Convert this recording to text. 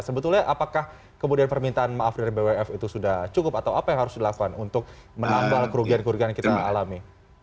sebetulnya apakah kemudian permintaan maaf dari bwf itu sudah cukup atau apa yang harus dilakukan untuk menambal kerugian kerugian yang kita alami